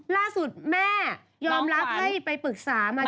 ล่าสุดแม่ยอมรับให้ไปปรึกษามา